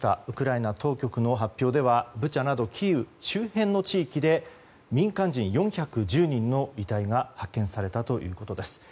ウクライナ当局の発表ではブチャなどキーウ周辺の地域で民間人４１０人の遺体が発見されたということです。